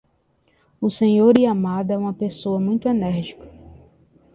O Sr. Yamada é uma pessoa muito enérgica.